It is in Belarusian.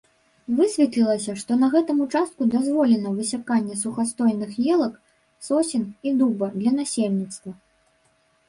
Высветлілася, што на гэтым участку дазволена высяканне сухастойных елак, сосен і дуба для насельніцтва.